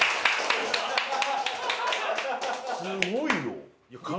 すごいよ！